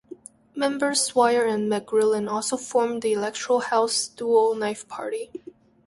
Members Swire and McGrillen also formed the electro house duo Knife Party.